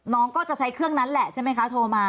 น้องก็จะใช้เครื่องนั้นแหละใช่ไหมคะโทรมา